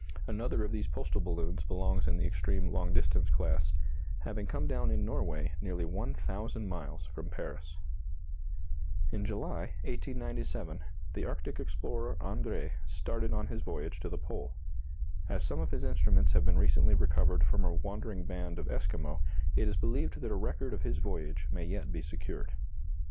Another of these postal balloons belongs in the extreme long distance class, having come down in Norway nearly 1,000 miles from Paris. In July, 1897, the Arctic explorer Andrée started on his voyage to the Pole. As some of his instruments have been recently recovered from a wandering band of Esquimaux, it is believed that a record of his voyage may yet be secured.